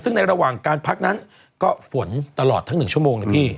ซึ่งในระหว่างการพักนั้นก็ฝนตลอดทั้ง๑ชั่วโมงเลยพี่